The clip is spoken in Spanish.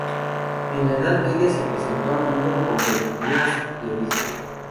En la Edad Media se lo representó a menudo con vestiduras de obispo.